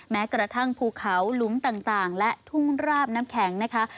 แม้กระทั่งภูเขาหลุมต่างและทุ่งราบน้ำแข็งนะคะ